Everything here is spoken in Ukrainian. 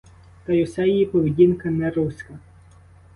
Та й уся її поведінка — не руська.